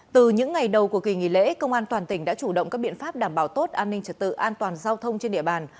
từ những ngày đầu của kỳ nghỉ lễ công an toàn tỉnh đã chủ động các biện pháp đảm bảo tốt an ninh trật tự an toàn giao thông trên địa bàn